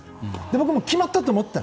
僕も決まったと思った。